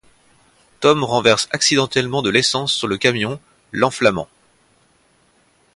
Tom renverse accidentellement de l'essence sur le camion, l'enflammant.